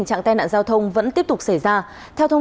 cảm ơn các bạn đã theo dõi